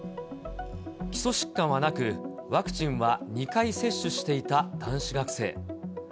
基礎疾患はなく、ワクチンは２回接種していた男子学生。